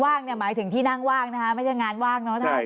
ว่างเนี่ยหมายถึงที่นั่งว่างนะคะไม่ใช่งานว่างเนอะนะครับ